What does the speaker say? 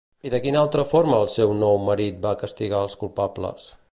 I de quina altra forma el seu nou marit va castigar els culpables?